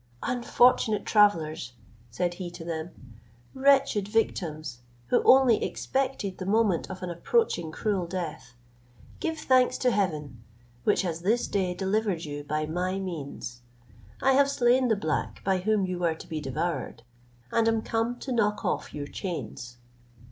"Unfortunate travellers," said he to them, "wretched victims, who only expected the moment of an approaching cruel death, give thanks to heaven, which has this day delivered you by my means. I have slain the black by whom you were to be devoured, and am come to knock off your chains."